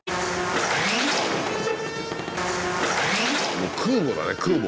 もう空母だね空母。